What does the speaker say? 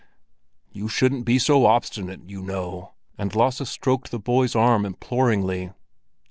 "You shouldn't be so obstinate, you know!" And Lasse stroked the boy's arm imploringly.